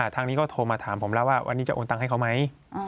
ทางนี้ก็โทรมาถามผมแล้วว่าวันนี้จะโอนตังค์ให้เขาไหม